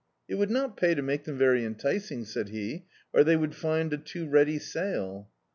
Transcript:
"It would not pay to make them very enticing," said he, "or they would find a too ready sale."